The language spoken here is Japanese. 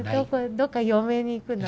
どっか嫁に行くの？